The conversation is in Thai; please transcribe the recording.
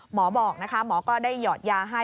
หมอบอกนะคะหมอก็ได้หยอดยาให้